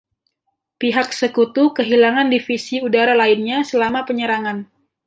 Pihak sekutu kehilangan divisi udara lainnya selama penyerangan.